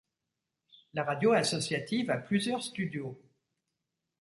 La radio associative a plusieurs studios.